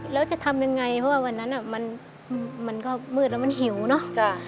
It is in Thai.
แล้วจะทำยังไงเพราะว่าวันนั้นมันก็มืดแล้วมันหิวเนอะ